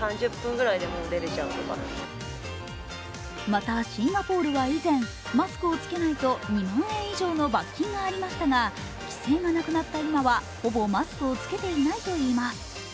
また、シンガポールは以前、マスクを着けないと２万円以上の罰金がありましたが、規制がなくなった今はほぼマスクを着けていないといいます。